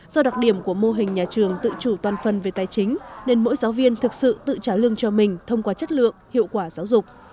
do đặc điểm của mô hình nhà trường tự chủ toàn phần về tài chính nên mỗi giáo viên thực sự tự trả lương cho mình thông qua chất lượng hiệu quả giáo dục